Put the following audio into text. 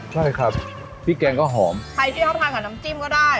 ใช่ครับพริกแกงก็หอมใครที่เขาทานกับน้ำจิ้มก็ได้